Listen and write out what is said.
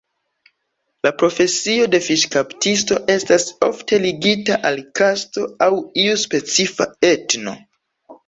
La profesio de fiŝkaptisto estas ofte ligita al kasto aŭ iu specifa etno.